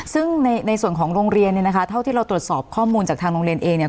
ซึ่งในส่วนของโรงเรียนเนี่ยนะคะเท่าที่เราตรวจสอบข้อมูลจากทางโรงเรียนเองเนี่ย